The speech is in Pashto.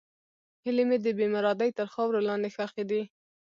هیلې مې د بېمرادۍ تر خاورو لاندې ښخې دي.